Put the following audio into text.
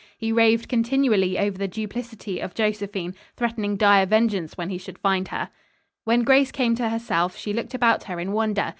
He raved continually over the duplicity of Josephine, threatening dire vengeance when he should find her. When Grace came to herself she looked about her in wonder.